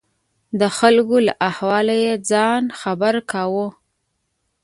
د خلکو له احواله یې ځان خبر کاوه.